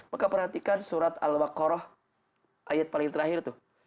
maka perhatikan surat al waqarah ayat paling terakhir